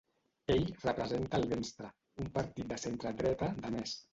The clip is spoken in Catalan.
Ell representa el Venstre, un partit de centre-dreta danès.